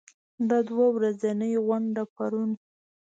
دا دوه ورځنۍ غونډه پرون